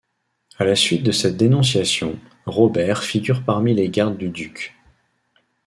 À la suite de cette dénonciation, Robert figure parmi les gardes du duc.